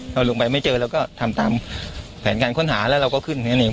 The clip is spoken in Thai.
เราลงไปไม่เจอเราก็ทำตามแผนการค้นหาแล้วเราก็ขึ้นแค่นั้นเอง